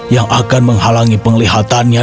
yang akan menghalangi penglihatannya